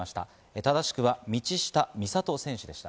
正しくは道下美里選手でした。